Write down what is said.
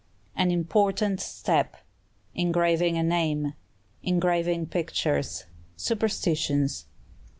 An Important Step. Engraving a Name. Engraving Pictures. Superstitions.